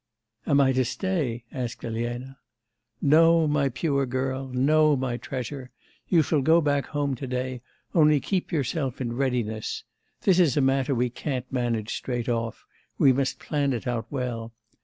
'Am I to stay?' asked Elena. 'No, my pure girl; no, my treasure. You shall go back home to day, only keep yourself in readiness. This is a matter we can't manage straight off; we must plan it out well.